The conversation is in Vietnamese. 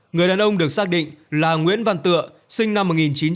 người đàn ông được xác định là nguyễn văn tựa sinh năm một nghìn chín trăm bảy mươi hai